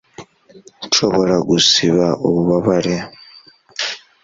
nshobora gusiba ububabare